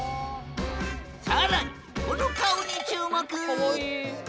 更にこの顔に注目！